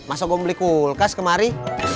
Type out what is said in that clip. masa gue mau beli kulkas kemari